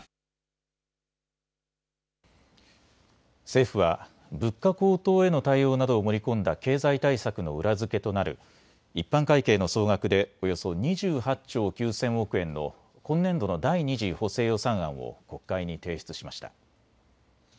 政府は物価高騰への対応などを盛り込んだ経済対策の裏付けとなる一般会計の総額でおよそ２８兆９０００億円の今年度の第２次補正予算案を国会に提出しました。